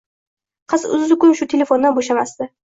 Qiz uzzukun shu telefondan bo`shamasdi